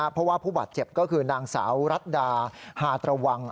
เพราะว่าผู้บาดเจ็บก็คือนางสาวรัดดาฮาตระวัง